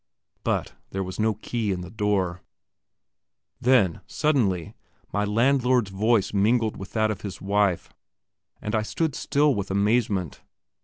But there was no key in the door. Then, suddenly my landlord's voice mingled with that of his wife, and I stood still with amazement.